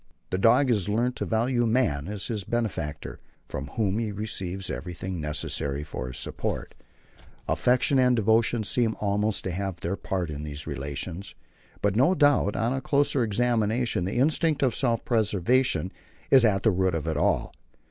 The dog has learnt to value man as his benefactor, from whom he receives everything necessary for his support. Affection and devotion seem also to have their part in these relations, but no doubt on a closer examination the instinct of self preservation is at the root of all.